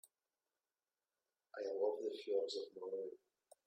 I love the fjords of Norway.